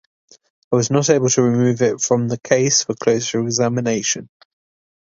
I was not able to remove it from the case for closer examination.